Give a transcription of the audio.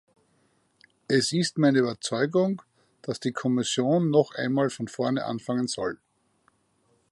Es ist meine Überzeugung, dass die Kommission noch einmal von vorne anfangen soll.